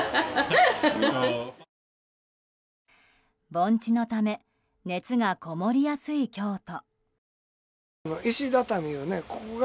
盆地のため熱がこもりやすい京都。